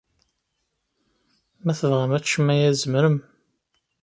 Ma tebɣam ad teččem aya, tzemrem.